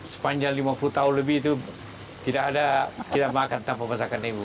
sepanjang lima puluh tahun lebih itu tidak ada kita makan tanpa masakan ibu